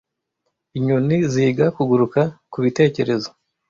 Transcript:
Inyoni ziga kuguruka kubitekerezo.